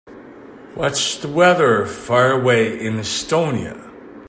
What's the weather far away in Estonia?